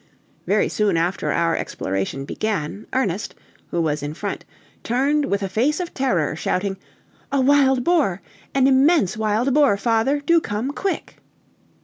Very soon after our exploration began, Ernest, who was in front, turned with a face of terror, shouting, "A wild boar! an immense wild boar, father! Do come, quick!"